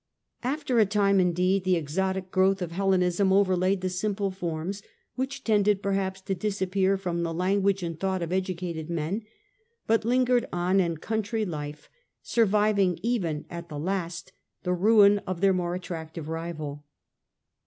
After a time, indeed, the exotic growth of Hellenism overlaid the simple forms, which tended perhaps to disappear from the language and thought of educated men, but lingered on in country life, surviving even at the last the ruin of their more attractive rival.